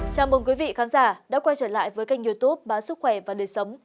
chào mừng quý vị khán giả đã quay trở lại với kênh youtube báo sức khỏe và đời sống